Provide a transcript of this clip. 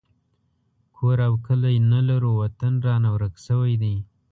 کور او کلی نه لرو وطن رانه ورک شوی دی